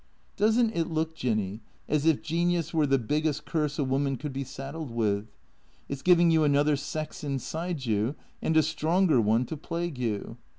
" Does n't it look, Jinny, as if genius were the biggest curse a woman can be saddled with ? It 's giving you another sex inside you, and a stronger one, to plague you.